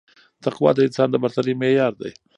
تقوا د انسان د برترۍ معیار دی